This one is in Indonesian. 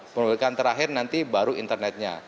pemilikan terakhir nanti baru internetnya